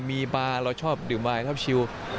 มีบาร์เราชอบดื่มบาร์เราชอบชิล